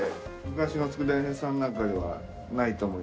昔の佃煮屋さんなんかではないと思います。